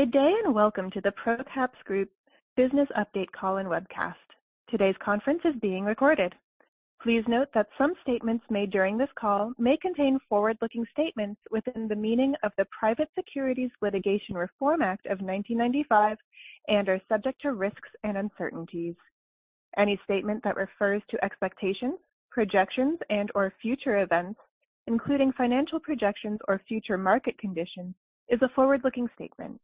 Good day, and welcome to the Procaps Group Business Update Call and Webcast. Today's conference is being recorded. Please note that some statements made during this call may contain forward-looking statements within the meaning of the Private Securities Litigation Reform Act of 1995 and are subject to risks and uncertainties. Any statement that refers to expectations, projections, and/or future events, including financial projections or future market conditions, is a forward-looking statement.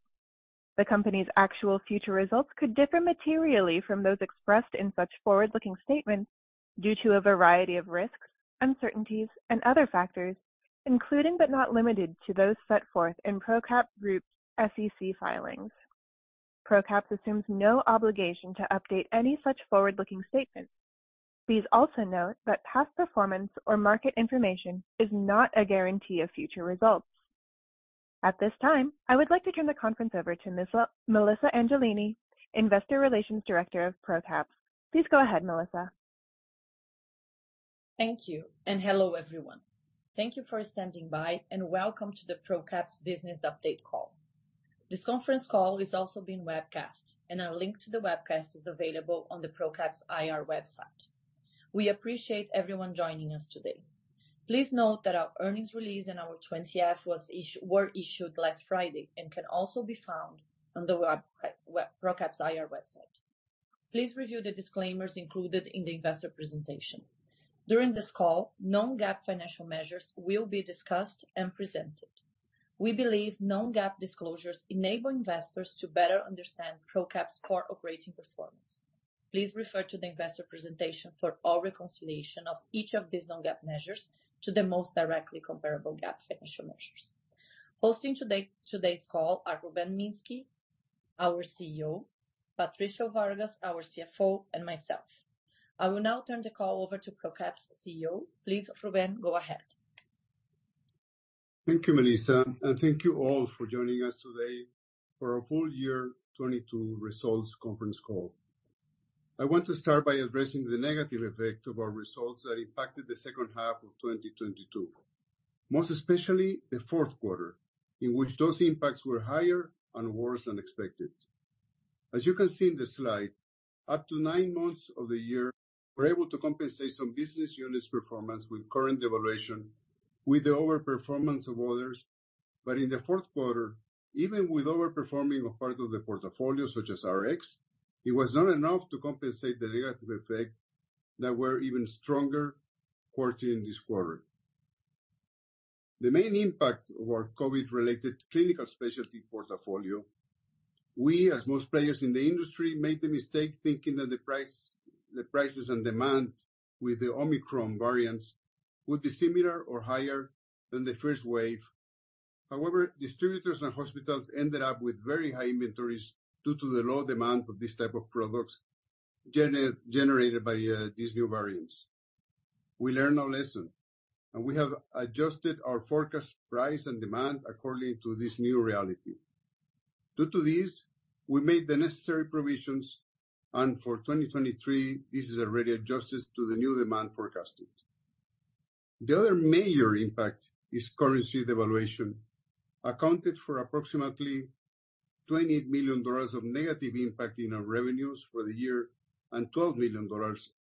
The company's actual future results could differ materially from those expressed in such forward-looking statements due to a variety of risks, uncertainties, and other factors, including, but not limited to, those set forth in Procaps Group's SEC filings. Procaps assumes no obligation to update any such forward-looking statements. Please also note that past performance or market information is not a guarantee of future results. At this time, I would like to turn the conference over to Melissa Angelini, Investor Relations Director of Procaps. Please go ahead, Melissa. Thank you. Hello, everyone. Thank you for standing by, and welcome to the Procaps' Business Update Call. This conference call is also being webcast, and a link to the webcast is available on the Procaps' IR website. We appreciate everyone joining us today. Please note that our earnings release and our 20-F were issued last Friday and can also be found on the Procaps' IR website. Please review the disclaimers included in the investor presentation. During this call, non-GAAP financial measures will be discussed and presented. We believe non-GAAP disclosures enable investors to better understand Procaps' core operating performance. Please refer to the investor presentation for all reconciliation of each of these non-GAAP measures to the most directly comparable GAAP financial measures. Hosting today's call are Rubén Minski, our CEO, Patricio Vargas, our CFO, and myself. I will now turn the call over to Procaps' CEO. Please, Rubén, go ahead. Thank you, Melissa, and thank you all for joining us today for our full year 2022 results conference call. I want to start by addressing the negative effect of our results that impacted the second half of 2022. Most especially the Q4, in which those impacts were higher and worse than expected. As you can see in the slide, up to nine months of the year, we're able to compensate some business units performance with current devaluation with the overperformance of others. In the Q4, even with overperforming of part of the portfolio, such as Rx, it was not enough to compensate the negative effect that were even stronger quarterly in this quarter. The main impact were COVID-related clinical specialty portfolio. We, as most players in the industry, made the mistake thinking that the prices and demand with the Omicron variants would be similar or higher than the first wave. However, distributors and hospitals ended up with very high inventories due to the low demand of this type of products gene-generated by these new variants. We learned our lesson, and we have adjusted our forecast price and demand according to this new reality. Due to this, we made the necessary provisions, and for 2023, this is already adjusted to the new demand forecasting. The other major impact is currency devaluation, accounted for approximately $28 million of negative impact in our revenues for the year and $12 million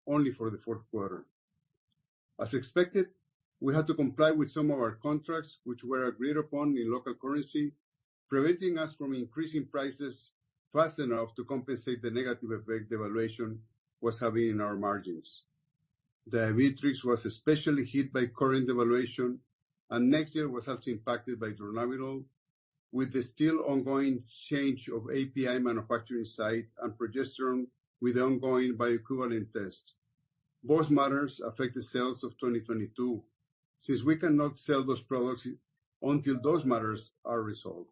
only for the Q4. As expected, we had to comply with some of our contracts, which were agreed upon in local currency, preventing us from increasing prices fast enough to compensate the negative effect devaluation was having in our margins. Diabetrics was especially hit by current devaluation, and next year was also impacted by dronabinol, with the still ongoing change of API manufacturing site and progesterone with ongoing bioequivalent tests. Both matters affect the sales of 2022, since we cannot sell those products until those matters are resolved.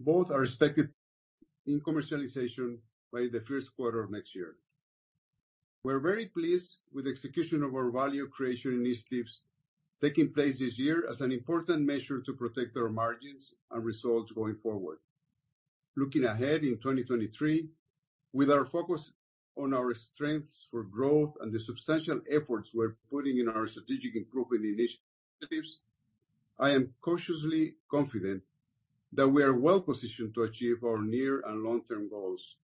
Both are expected in commercialization by the Q1 of next year. We're very pleased with the execution of our value creation initiatives taking place this year as an important measure to protect our margins and results going forward. Looking ahead in 2023, with our focus on our strengths for growth and the substantial efforts we're putting in our strategic improvement initiatives, I am cautiously confident that we are well-positioned to achieve our near and long-term goals.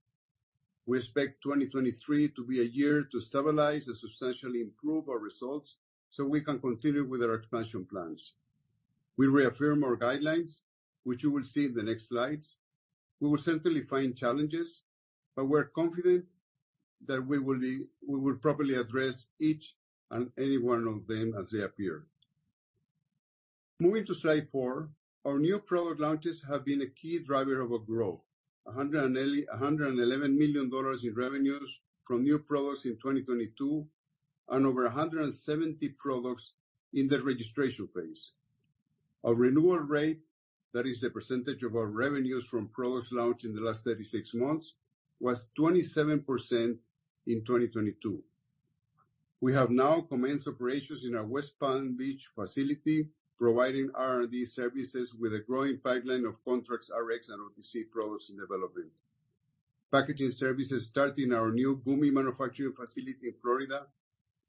We expect 2023 to be a year to stabilize and substantially improve our results so we can continue with our expansion plans. We reaffirm our guidelines, which you will see in the next slides. We will certainly find challenges, but we're confident that we will properly address each and every one of them as they appear. Moving to slide four. Our new product launches have been a key driver of our growth. $111 million in revenues from new products in 2022 and over 170 products in the registration phase. Our renewal rate, that is the percentage of our revenues from products launched in the last 36 months, was 27% in 2022. We have now commenced operations in our West Palm Beach facility, providing R&D services with a growing pipeline of contracts, Rx, and OTC products in development. Packaging services starting our new gummy manufacturing facility in Florida.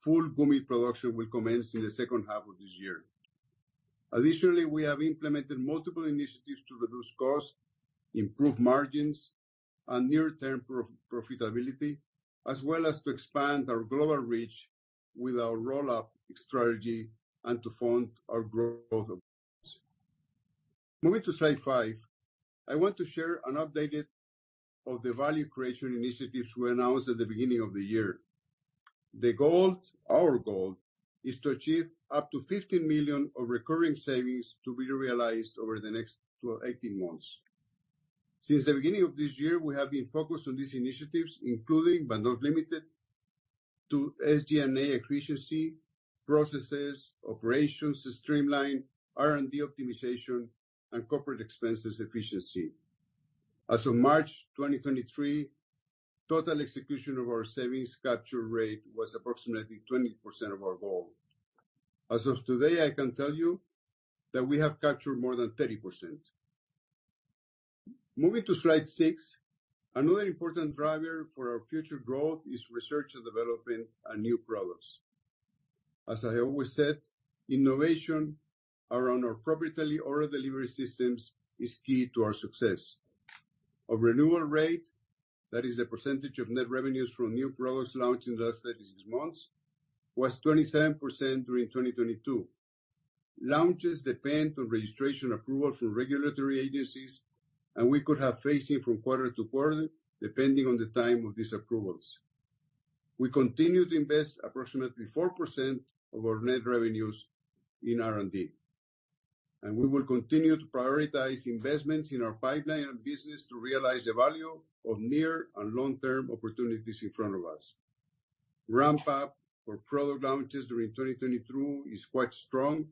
Full gummy production will commence in the second half of this year. We have implemented multiple initiatives to reduce costs, improve margins and near-term pro-profitability, as well as to expand our global reach with our roll-up strategy and to fund our growth. Moving to slide five, I want to share an updated of the value creation initiatives we announced at the beginning of the year. The goal, our goal, is to achieve up to $15 million of recurring savings to be realized over the next 18 months. Since the beginning of this year, we have been focused on these initiatives, including but not limited to SG&A efficiency, processes, operations streamline, R&D optimization, and corporate expenses efficiency. As of March 2023, total execution of our savings capture rate was approximately 20% of our goal. As of today, I can tell you that we have captured more than 30%. Moving to slide six, another important driver for our future growth is research and development and new products. As I always said, innovation around our proprietary oral delivery systems is key to our success. Our renewal rate, that is the percentage of net revenues from new products launched in the last 36 months, was 27% during 2022. Launches depend on registration approval from regulatory agencies, and we could have phasing from quarter-to-quarter, depending on the time of these approvals. We continue to invest approximately 4% of our net revenues in R&D. We will continue to prioritize investments in our pipeline and business to realize the value of near and long-term opportunities in front of us. Ramp-up for product launches during 2022 is quite strong,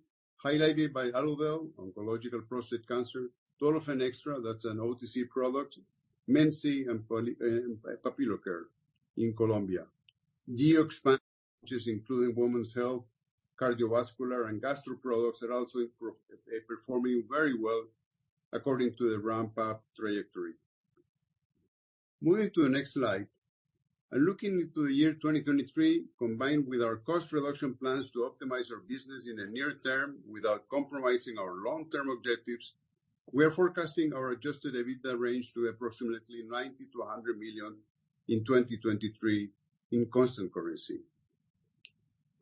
highlighted by Aludel, oncological prostate cancer, Dolofen Extra, that's an OTC product, Mentsi and Polio and Papilocare in Colombia. Geo expansion, which is including women's health, cardiovascular and gastro products are also performing very well according to the ramp-up trajectory. Moving to the next slide, looking into the year 2023, combined with our cost reduction plans to optimize our business in the near term without compromising our long-term objectives, we are forecasting our Adjusted EBITDA range to approximately $90 million-$100 million in 2023 in constant currency.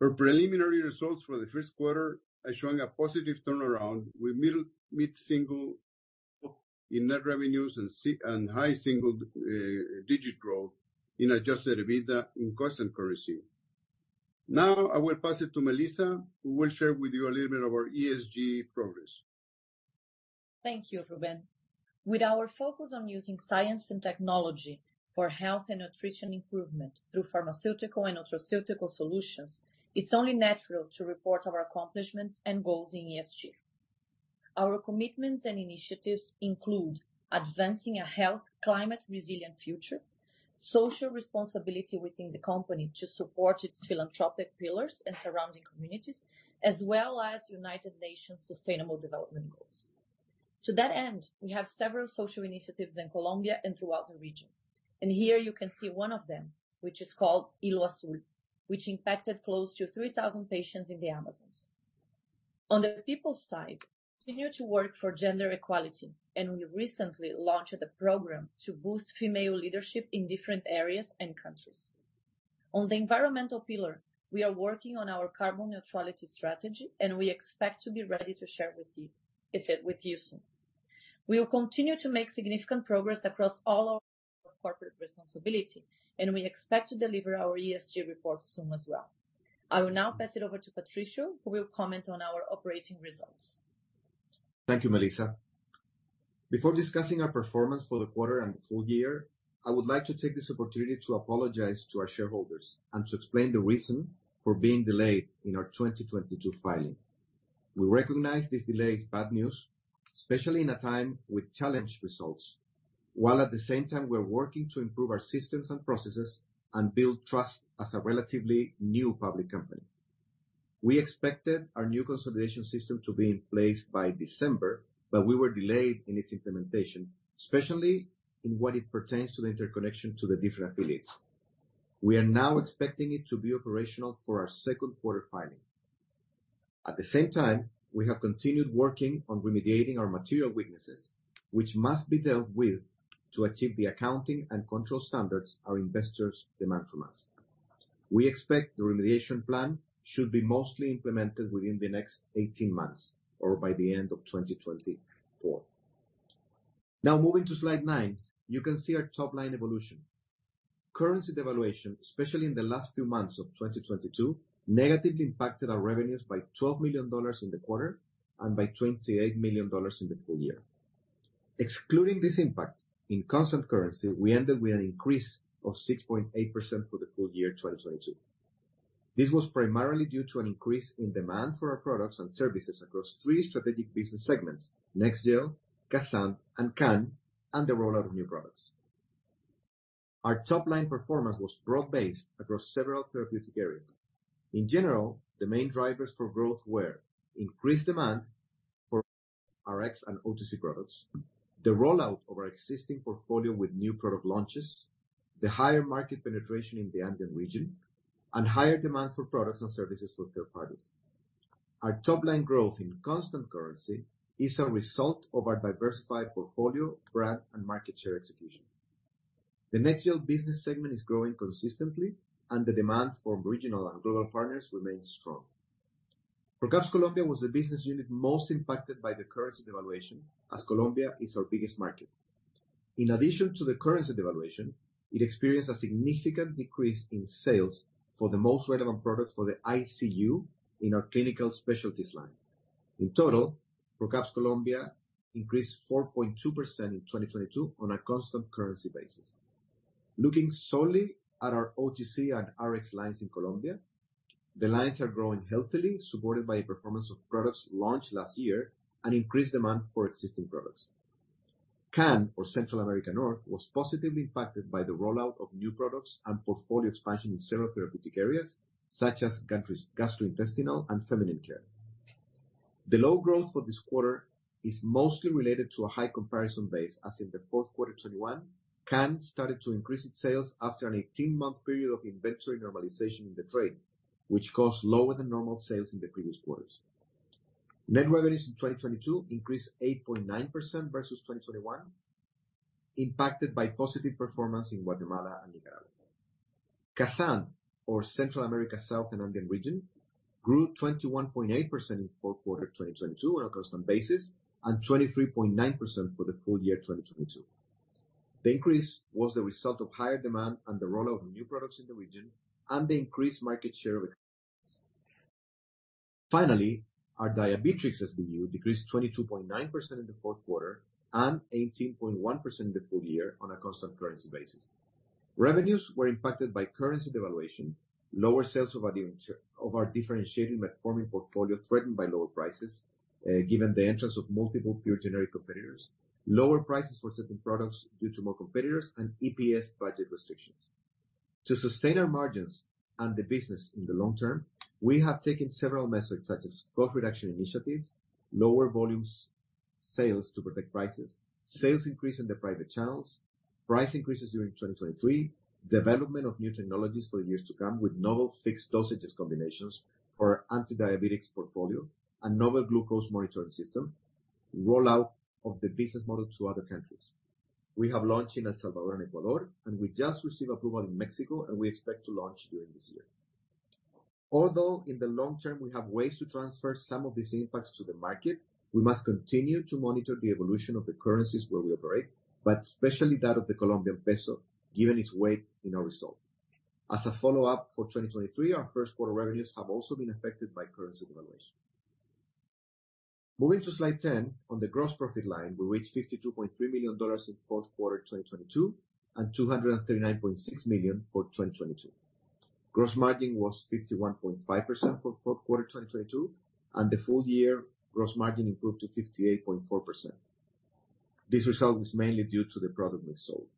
Our preliminary results for the Q1 are showing a positive turnaround with mid-single in net revenues and high single digit growth in Adjusted EBITDA in constant currency. I will pass it to Melissa, who will share with you a little bit of our ESG progress. Thank you, Rubén. With our focus on using science and technology for health and nutrition improvement through pharmaceutical and nutraceutical solutions, it's only natural to report our accomplishments and goals in ESG. Our commitments and initiatives include advancing a health climate-resilient future, social responsibility within the company to support its philanthropic pillars and surrounding communities, as well as United Nations Sustainable Development Goals. To that end, we have several social initiatives in Colombia and throughout the region. Here you can see one of them, which is called Iluwaashul, which impacted close to 3,000 patients in the Amazonas. On the people side, continue to work for gender equality, and we recently launched the program to boost female leadership in different areas and countries. On the environmental pillar, we are working on our carbon neutrality strategy, and we expect to be ready to share it with you soon. We will continue to make significant progress across all our corporate responsibility, and we expect to deliver our ESG report soon as well. I will now pass it over to Patricio, who will comment on our operating results. Thank you, Melissa. Before discussing our performance for the quarter and the full year, I would like to take this opportunity to apologize to our shareholders and to explain the reason for being delayed in our 2022 filing. We recognize this delay is bad news, especially in a time with challenged results, while at the same time we're working to improve our systems and processes and build trust as a relatively new public company. We expected our new consolidation system to be in place by December, but we were delayed in its implementation, especially in what it pertains to the interconnection to the different affiliates. We are now expecting it to be operational for our Q2 filing. At the same time, we have continued working on remediating our material weaknesses, which must be dealt with to achieve the accounting and control standards our investors demand from us. We expect the remediation plan should be mostly implemented within the next 18 months or by the end of 2024. Now moving to slide nine, you can see our top-line evolution. Currency devaluation, especially in the last few months of 2022, negatively impacted our revenues by $12 million in the quarter and by $28 million in the full year. Excluding this impact, in constant currency, we ended with an increase of 6.8% for the full year 2022. This was primarily due to an increase in demand for our products and services across three strategic business segments, NextGel, CASAND, and CAN, and the rollout of new products. Our top-line performance was broad-based across several therapeutic areas. In general, the main drivers for growth were increased demand for Rx and OTC products, the rollout of our existing portfolio with new product launches, the higher market penetration in the Andean Region, and higher demand for products and services for third parties. Our top-line growth in constant currency is a result of our diversified portfolio, brand, and market share execution. The NextGel business segment is growing consistently, and the demand for regional and global partners remains strong. Procaps Colombia was the business unit most impacted by the currency devaluation, as Colombia is our biggest market. In addition to the currency devaluation, it experienced a significant decrease in sales for the most relevant product for the ICU in our clinical specialties line. In total, Procaps Colombia increased 4.2% in 2022 on a constant currency basis. Looking solely at our OTC and Rx lines in Colombia, the lines are growing healthily, supported by a performance of products launched last year and increased demand for existing products. CAN, or Central America North, was positively impacted by the rollout of new products and portfolio expansion in several therapeutic areas, such as gastrointestinal and feminine care. The low growth for this quarter is mostly related to a high comparison base, as in the Q4 2021, CAN started to increase its sales after an 18-month period of inventory normalization in the trade, which caused lower than normal sales in the previous quarters. Net revenues in 2022 increased 8.9% versus 2021, impacted by positive performance in Guatemala and Nicaragua. CASAND, or Central America South and Andean Region, grew 21.8% in Q4 2022 on a constant basis and 23.9% for the full year 2022. The increase was the result of higher demand and the rollout of new products in the region and the increased market share of. Finally, our Diabetrics SBU decreased 22.9% in the Q4 and 18.1% in the full year on a constant currency basis. Revenues were impacted by currency devaluation, lower sales of our of our differentiating metformin portfolio threatened by lower prices, given the entrance of multiple pure generic competitors, lower prices for certain products due to more competitors, and EPS budget restrictions. To sustain our margins and the business in the long term, we have taken several measures such as cost reduction initiatives, lower volumes sales to protect prices, sales increase in the private channels, price increases during 2023, development of new technologies for years to come with novel fixed dosages combinations for our antidiabetics portfolio, a novel glucose monitoring system, rollout of the business model to other countries. We have launched in El Salvador and Ecuador, and we just received approval in Mexico, and we expect to launch during this year. Although in the long term we have ways to transfer some of these impacts to the market, we must continue to monitor the evolution of the currencies where we operate, but especially that of the Colombian peso, given its weight in our result. As a follow-up for 2023, our Q1 revenues have also been affected by currency devaluation. Moving to slide 10, on the gross profit line, we reached $52.3 million in Q4 2022 and $239.6 million for 2022. Gross margin was 51.5% for Q4 2022, and the full year gross margin improved to 58.4%. This result was mainly due to the product mix sold.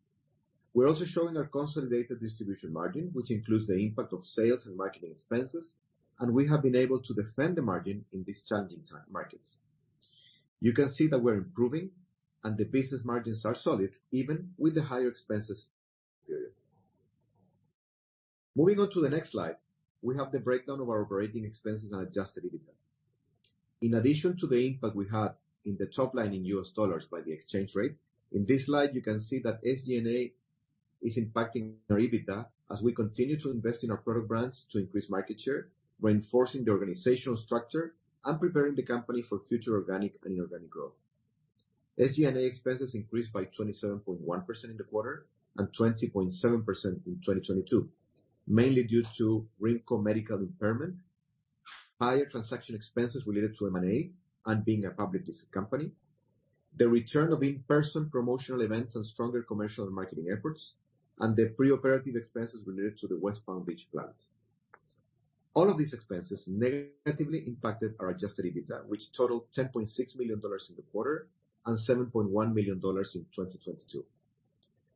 We're also showing our consolidated distribution margin, which includes the impact of sales and marketing expenses, and we have been able to defend the margin in these challenging time, markets. You can see that we're improving and the business margins are solid even with the higher expenses period. Moving on to the next slide, we have the breakdown of our OpEx and Adjusted EBITDA. In addition to the impact we had in the top line in US dollars by the exchange rate, in this slide, you can see that SG&A is impacting our EBITDA as we continue to invest in our product brands to increase market share, reinforcing the organizational structure and preparing the company for future organic and inorganic growth. SG&A expenses increased by 27.1% in the quarter and 20.7% in 2022, mainly due to Rymco Medical impairment, higher transaction expenses related to M&A and being a publicly company, the return of in-person promotional events and stronger commercial and marketing efforts, and the pre-operative expenses related to the West Palm Beach plant. All of these expenses negatively impacted our Adjusted EBITDA, which totaled $10.6 million in the quarter and $7.1 million in 2022.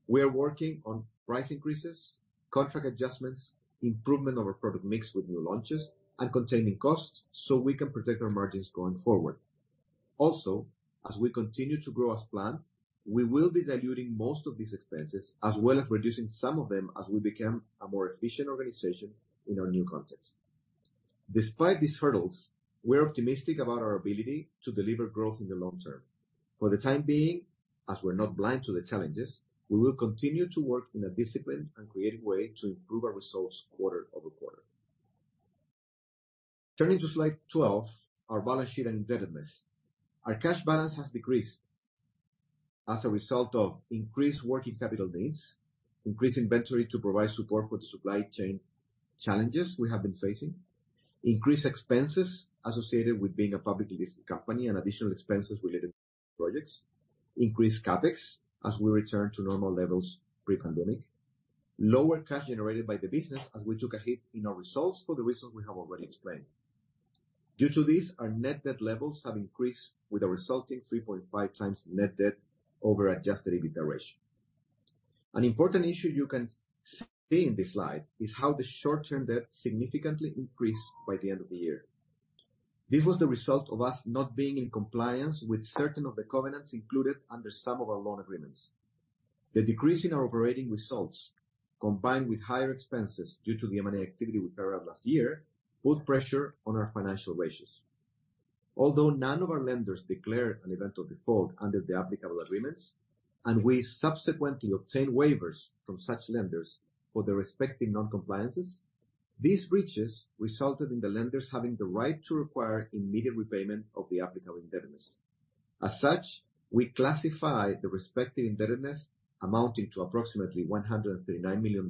We are working on price increases, contract adjustments, improvement of our product mix with new launches, and containing costs so we can protect our margins going forward. As we continue to grow as planned, we will be diluting most of these expenses as well as reducing some of them as we become a more efficient organization in our new context. Despite these hurdles, we're optimistic about our ability to deliver growth in the long term. For the time being, as we're not blind to the challenges, we will continue to work in a disciplined and creative way to improve our results quarter-over-quarter. Turning to slide 12, our balance sheet and indebtedness. Our cash balance has decreased as a result of increased working capital needs, increased inventory to provide support for the supply chain challenges we have been facing, increased expenses associated with being a publicly listed company and additional expenses related to projects, increased CapEx as we return to normal levels pre-pandemic, lower cash generated by the business as we took a hit in our results for the reasons we have already explained. Due to this, our net debt levels have increased with a resulting 3.5x net debt over Adjusted EBITDA ratio. An important issue you can see in this slide is how the short-term debt significantly increased by the end of the year. This was the result of us not being in compliance with certain of the covenants included under some of our loan agreements. The decrease in our operating results, combined with higher expenses due to the M&A activity we carried out last year, put pressure on our financial ratios. None of our lenders declared an event of default under the applicable agreements, and we subsequently obtained waivers from such lenders for the respective non-compliances, these breaches resulted in the lenders having the right to require immediate repayment of the applicable indebtedness. We classified the respective indebtedness amounting to approximately $139 million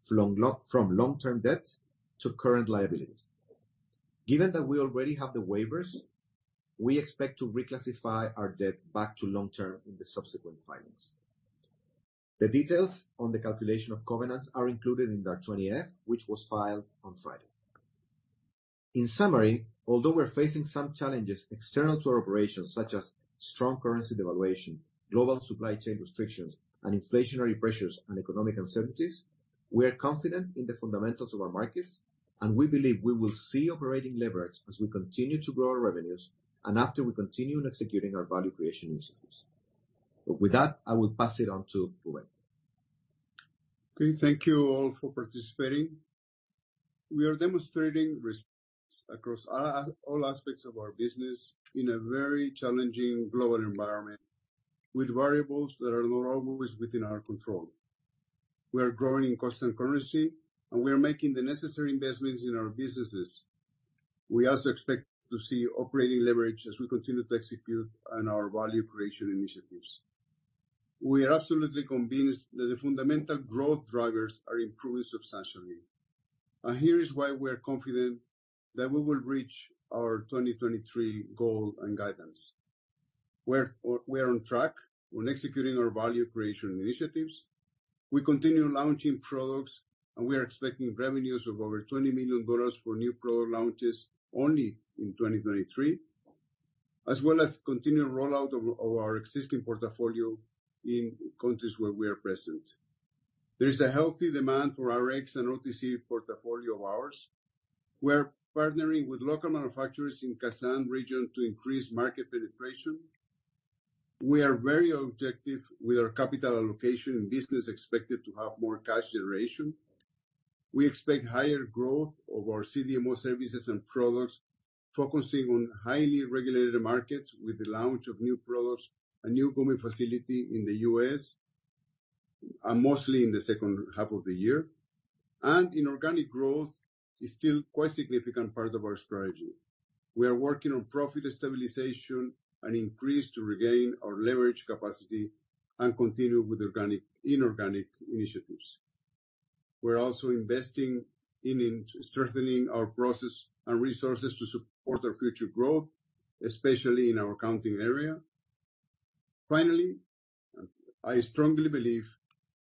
from long-term debts to current liabilities. Given that we already have the waivers, we expect to reclassify our debt back to long-term in the subsequent filings. The details on the calculation of covenants are included in our Form 20-F, which was filed on Friday. In summary, although we're facing some challenges external to our operations, such as strong currency devaluation, global supply chain restrictions, and inflationary pressures and economic uncertainties, we are confident in the fundamentals of our markets, and we believe we will see operating leverage as we continue to grow our revenues and after we continue executing our value creation initiatives. With that, I will pass it on to Rubén. Okay. Thank you all for participating. We are demonstrating resilience across all aspects of our business in a very challenging global environment with variables that are not always within our control. We are growing in constant currency, and we are making the necessary investments in our businesses. We also expect to see operating leverage as we continue to execute on our value creation initiatives. We are absolutely convinced that the fundamental growth drivers are improving substantially. Here is why we are confident that we will reach our 2023 goal and guidance. We're on track on executing our value creation initiatives. We continue launching products, and we are expecting revenues of over $20 million for new product launches only in 2023, as well as continued rollout of our existing portfolio in countries where we are present. There is a healthy demand for our Rx and OTC portfolio of ours. We're partnering with local manufacturers in Casanare region to increase market penetration. We are very objective with our capital allocation and business expected to have more cash generation. We expect higher growth of our CDMO services and products, focusing on highly regulated markets with the launch of new products and new booming facility in the U.S. mostly in the second half of the year. Inorganic growth is still quite significant part of our strategy. We are working on profit stabilization and increase to regain our leverage capacity and continue with organic, inorganic initiatives. We're also investing in strengthening our process and resources to support our future growth, especially in our accounting area. I strongly believe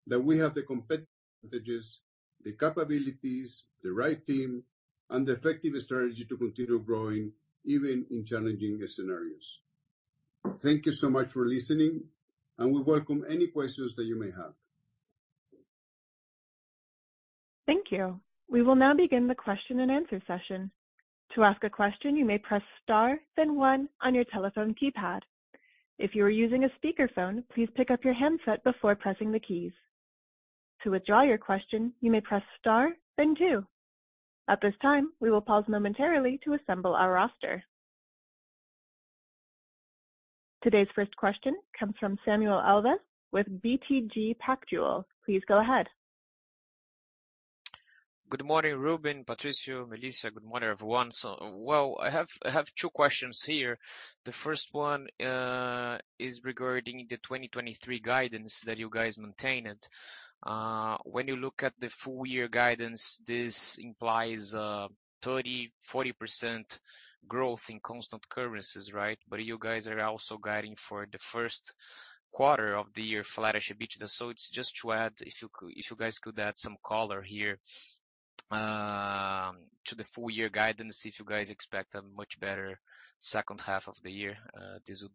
that we have the competencies, the capabilities, the right team, and the effective strategy to continue growing even in challenging scenarios. Thank you so much for listening. We welcome any questions that you may have. Thank you. We will now begin the question-and-answer session. To ask a question, you may press star then one on your telephone keypad. If you are using a speakerphone, please pick up your handset before pressing the keys. To withdraw your question, you may press star then two. At this time, we will pause momentarily to assemble our roster. Today's first question comes from Samuel Alves with BTG Pactual. Please go ahead. Good morning, Rubén, Patricio, Melissa. Good morning, everyone. Well, I have two questions here. The first one is regarding the 2023 guidance that you guys maintained. When you look at the full year guidance, this implies 30%-40% growth in constant currencies, right? You guys are also guiding for the Q1 of the year flattish EBITDA. It's just to add, if you guys could add some color here to the full year guidance, if you guys expect a much better second half of the year, this would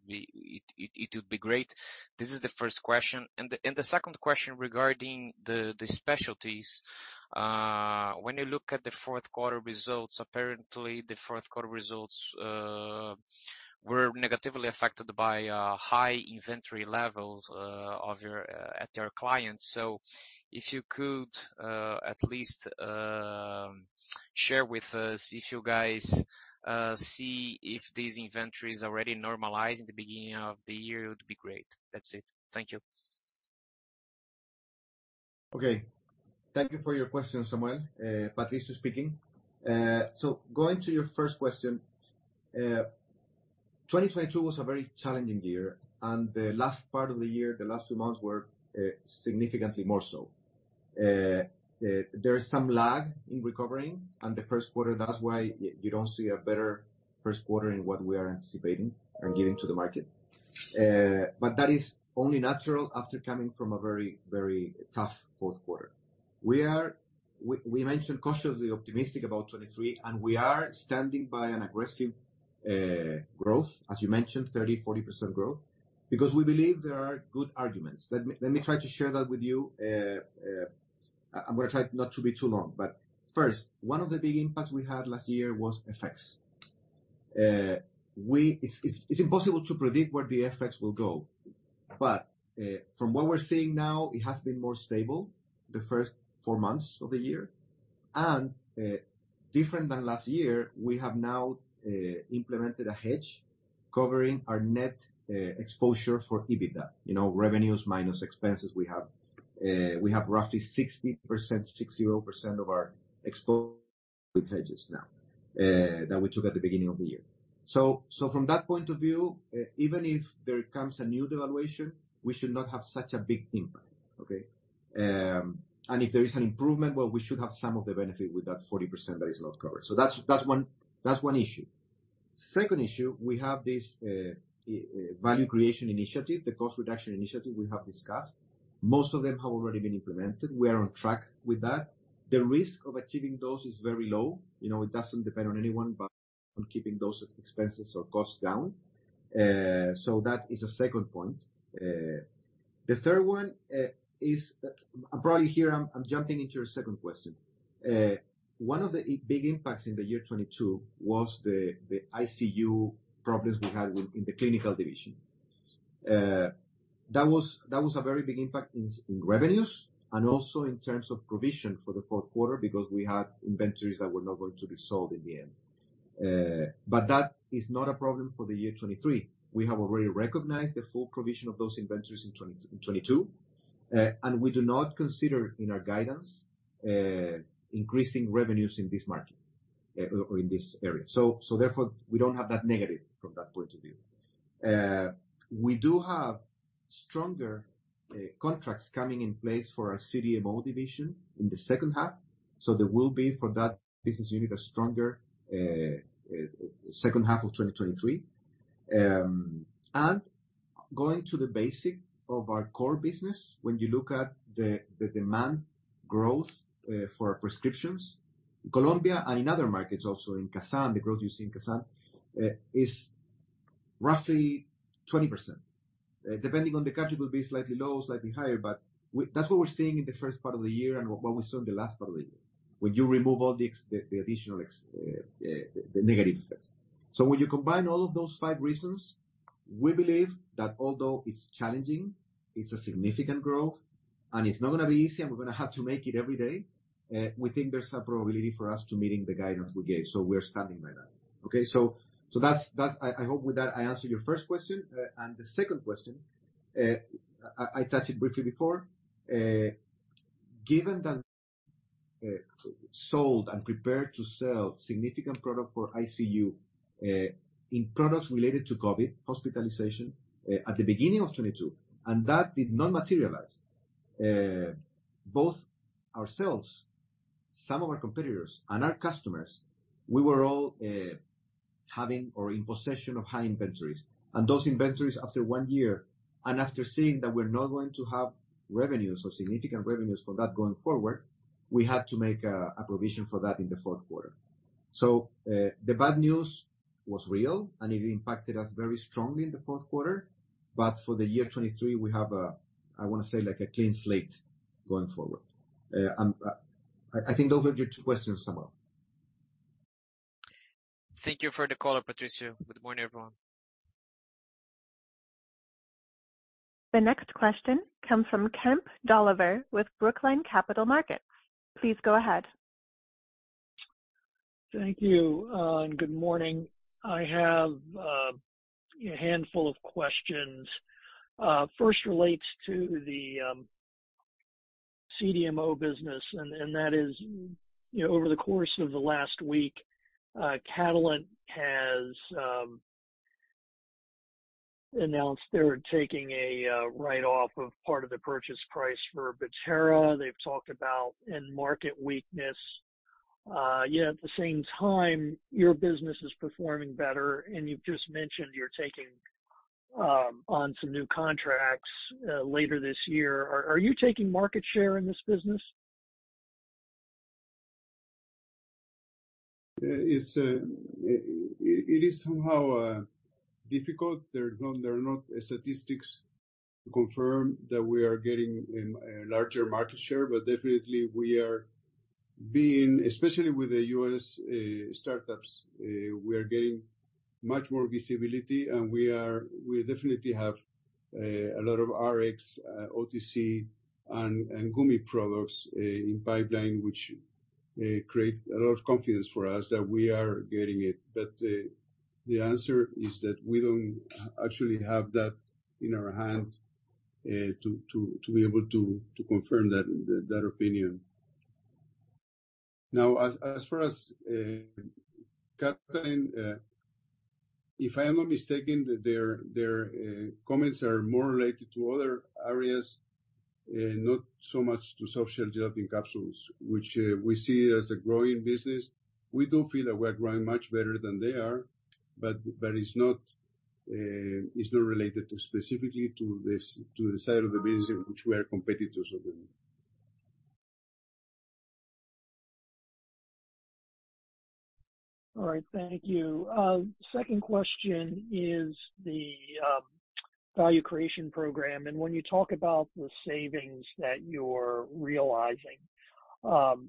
be great. This is the first question. The second question regarding the specialties. When you look at the Q4 results, apparently the Q4 results were negatively affected by high inventory levels of your at your clients. If you could, at least, share with us if you guys see if these inventories already normalized in the beginning of the year, it would be great. That's it. Thank you. Okay. Thank you for your question, Samuel. Patricio speaking. Going to your first question. 2022 was a very challenging year, and the last part of the year, the last two months were significantly more so. There is some lag in recovering on the Q1. That's why you don't see a better Q1 in what we are anticipating and giving to the market. That is only natural after coming from a very, very tough Q4. We are cautiously optimistic about 2023, and we are standing by an aggressive growth, as you mentioned, 30%-40% growth, because we believe there are good arguments. Let me try to share that with you. I'm gonna try not to be too long. First, one of the big impacts we had last year was FX. It's impossible to predict where the FX will go, but from what we're seeing now, it has been more stable the first four months of the year. Different than last year, we have now implemented a hedge covering our net expo for EBITDA. You know, revenues minus expenses we have. We have roughly 60%, 60%, of our expo with hedges now that we took at the beginning of the year. From that point of view, even if there comes a new devaluation, we should not have such a big impact. Okay? And if there is an improvement, well, we should have some of the benefit with that 40% that is not covered. That's one, that's one issue. Second issue, we have this, value creation initiative, the cost reduction initiative we have discussed. Most of them have already been implemented. We are on track with that. The risk of achieving those is very low. You know, it doesn't depend on anyone but on keeping those expenses or costs down. That is a second point. The third one is, probably here I'm jumping into your second question. One of the big impacts in the year 2022 was the ICU problems we had with, in the clinical division. That was a very big impact in revenues and also in terms of provision for the Q4, because we had inventories that were not going to be sold in the end. That is not a problem for the year 2023. We have already recognized the full provision of those inventories in 20, in 2022. And we do not consider in our guidance increasing revenues in this market or in this area. Therefore, we don't have that negative from that point of view. We do have stronger contracts coming in place for our CDMO division in the second half. So there will be, for that business unit, a stronger second half of 2023. Going to the basic of our core business, when you look at the demand growth for prescriptions, Colombia and in other markets also in CASAND, the growth you see in CASAND is roughly 20%. Depending on the country, will be slightly low, slightly higher, but that's what we're seeing in the first part of the year and what we saw in the last part of the year, when you remove all the additional negative effects. When you combine all of those five reasons, we believe that although it's challenging, it's a significant growth, and it's not gonna be easy, and we're gonna have to make it every day, we think there's a probability for us to meeting the guidance we gave. We're standing by that. Okay? That's. I hope with that, I answered your first question. The second question, I touched it briefly before. Given that sold and prepared to sell significant product for ICU, in products related to COVID hospitalization, at the beginning of 2022, and that did not materialize. Both ourselves, some of our competitors and our customers, we were all having or in possession of high inventories. Those inventories, after one year and after seeing that we're not going to have revenues or significant revenues for that going forward, we had to make a provision for that in the Q4. The bad news was real, and it impacted us very strongly in the Q4. For the year 2023, we have a, I wanna say like a clean slate going forward. I think those were your two questions, Samuel. Thank you for the call, Patricio. Good morning, everyone. The next question comes from Kemp Dolliver with Brookline Capital Markets. Please go ahead. Thank you, good morning. I have a handful of questions. First relates to the CDMO business, and that is, you know, over the course of the last week, Catalent has announced they're taking a write-off of part of the purchase price for Bettera. They've talked about end market weakness. Yet at the same time, your business is performing better, and you've just mentioned you're taking on some new contracts later this year. Are you taking market share in this business? It's, it is somehow difficult. There are not statistics to confirm that we are getting a larger market share, but definitely we are being, especially with the U.S. startups, we are getting much more visibility, and we definitely have a lot of Rx, OTC and gummy products in pipeline, which create a lot of confidence for us that we are getting it. The answer is that we don't actually have that in our hand to be able to confirm that opinion. As far as Catalent, if I am not mistaken, their comments are more related to other areas, not so much to softgel gelatin capsules, which we see as a growing business. We do feel that we are growing much better than they are. It's not related to specifically to this, to the side of the business in which we are competitors of them. All right. Thank you. Second question is the value creation program, and when you talk about the savings that you're realizing, so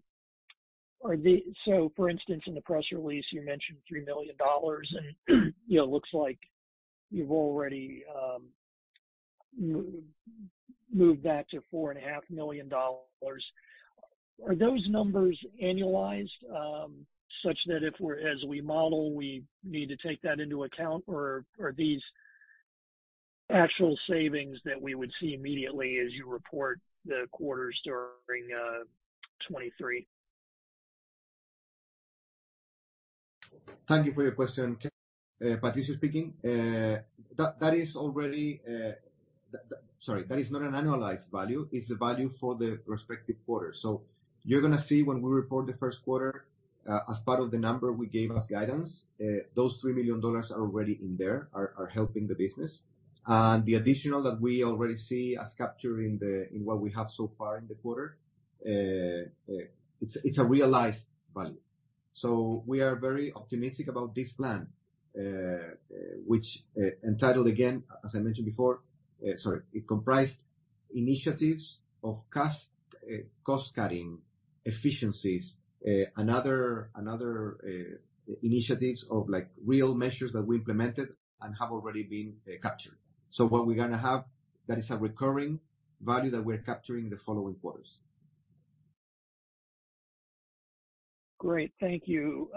for instance, in the press release you mentioned $3 million and, you know, looks like you've already moved that to $4.5 million. Are those numbers annualized, such that as we model, we need to take that into account or are these actual savings that we would see immediately as you report the quarters during 2023? Thank you for your question, Kemp. Patricio speaking. That is already. Sorry, that is not an annualized value. It's the value for the respective quarter. You're gonna see when we report the Q1, as part of the number we gave as guidance, those $3 million are already in there helping the business. The additional that we already see as capturing in what we have so far in the quarter, it's a realized value. We are very optimistic about this plan, which entitled again, as I mentioned before. Sorry. It comprised initiatives of cost-cutting, efficiencies, another initiatives of like real measures that we implemented and have already been captured. What we're gonna have, that is a recurring value that we're capturing in the following quarters. Great. Thank you.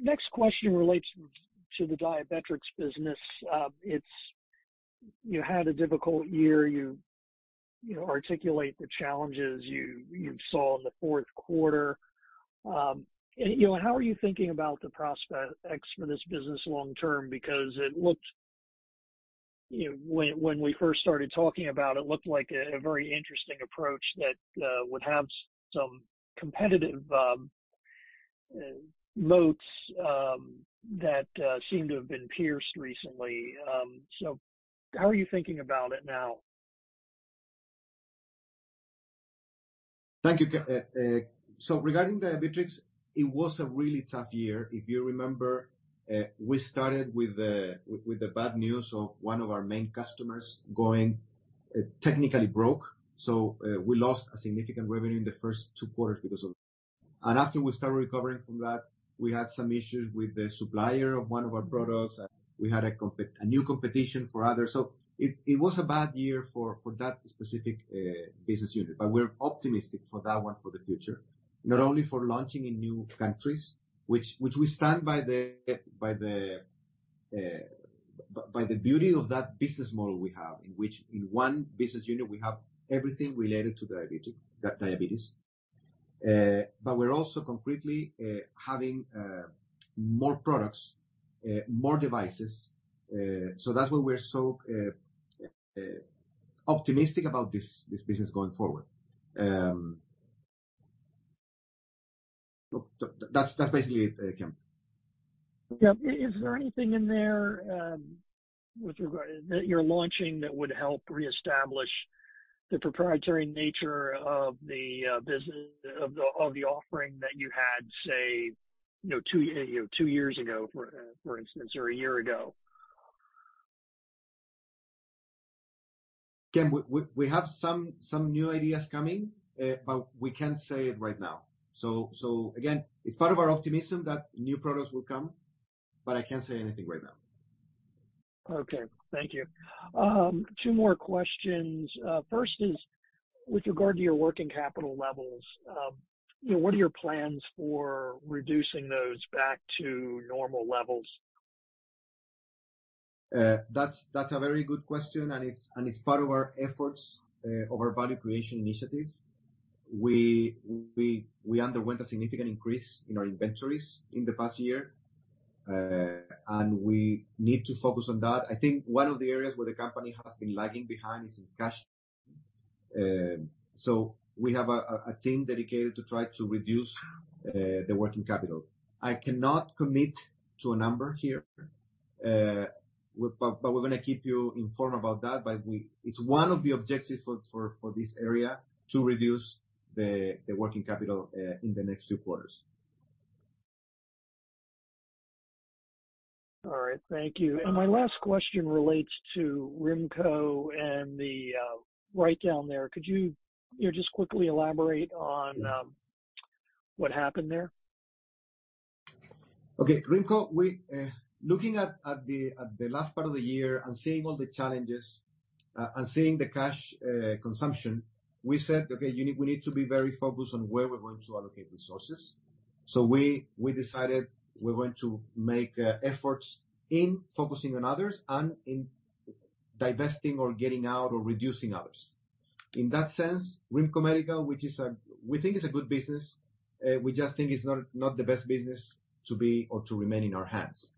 Next question relates to the Diabetrics business. You had a difficult year. You articulate the challenges you saw in the Q4. You know, how are you thinking about the prospects for this business long term? Because it looked, you know, when we first started talking about it looked like a very interesting approach that would have some competitive moats that seem to have been pierced recently. How are you thinking about it now? Thank you, Kemp Dolliver. Regarding Diabetrics, it was a really tough year. If you remember, we started with the bad news of one of our main customers going technically broke. We lost a significant revenue in the first two quarters because of that. After we started recovering from that, we had some issues with a supplier of one of our products. We had a new competition for others. It was a bad year for that specific business unit. We're optimistic for that one for the future, not only for launching in new countries, which we stand by the beauty of that business model we have, in which in one business unit we have everything related to diabetes. We're also concretely having more products, more devices. That's why we're so optimistic about this business going forward. That's basically it, Kemp Dolliver. Yep. Is there anything in there, with regard that you're launching that would help reestablish the proprietary nature of the business, of the offering that you had, say, two years ago, for instance, or a year ago? Kemp Dolliver, we have some new ideas coming. We can't say it right now. Again, it's part of our optimism that new products will come. I can't say anything right now. Okay. Thank you. Two more questions. First is with regard to your working capital levels, you know, what are your plans for reducing those back to normal levels? That's a very good question, and it's part of our efforts, of our value creation initiatives. We underwent a significant increase in our inventories in the past year, and we need to focus on that. I think one of the areas where the company has been lagging behind is in cash. We have a team dedicated to try to reduce, the working capital. I cannot commit to a number here. We're gonna keep you informed about that. It's one of the objectives for this area to reduce the working capital, in the next two quarters. All right. Thank you. My last question relates to Rymco and the write-down there. Could you know, just quickly elaborate on what happened there? Okay. Rymco, we. Looking at the last part of the year and seeing all the challenges and seeing the cash consumption, we said, "Okay, we need to be very focused on where we're going to allocate resources." We decided we're going to make efforts in focusing on others and in divesting or getting out or reducing others. In that sense, Rymco Medical, which is. We think it's a good business. We just think it's not the best business to be or to remain in our hands.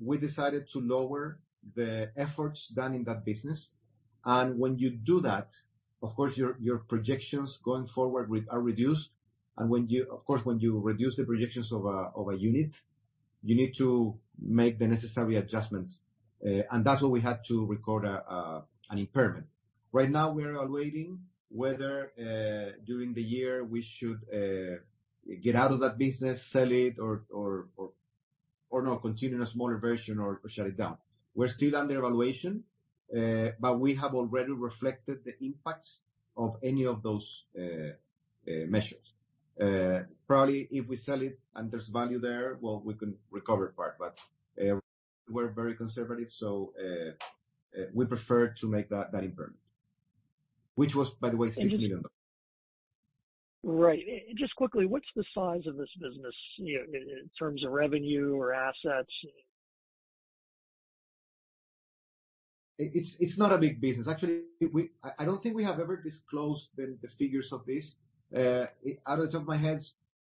We decided to lower the efforts done in that business. When you do that, of course, your projections going forward are reduced. Of course, when you reduce the projections of a unit, you need to make the necessary adjustments. That's why we had to record an impairment. Right now we are evaluating whether during the year we should get out of that business, sell it, or not, continue in a smaller version or shut it down. We're still under evaluation, we have already reflected the impacts of any of those measures. Probably if we sell it and there's value there, well, we can recover part, we're very conservative, we prefer to make that improvement. Which was by the way $6 million, though. Right. Just quickly, what's the size of this business, you know, in terms of revenue or assets? It's not a big business. Actually, I don't think we have ever disclosed the figures of this. Out of the top of my head,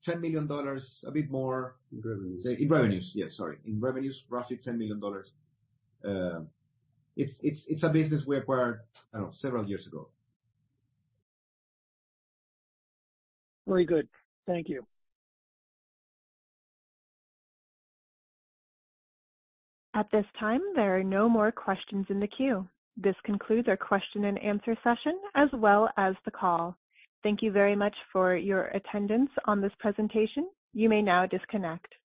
$10 million, a bit more. In revenues. Yes, sorry. In revenues, roughly $10 million. It's a business we acquired, I don't know, several years ago. Very good. Thank you. At this time, there are no more questions in the queue. This concludes our question and answer session, as well as the call. Thank you very much for your attendance on this presentation. You may now disconnect.